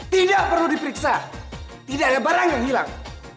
tidak perlu diperiksa tidak ada barang yang hilang